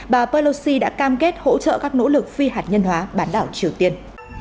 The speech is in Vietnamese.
bà pelosi đã cam kết hỗ trợ các nỗ lực phi hạt nhân hóa bán đảo triều tiên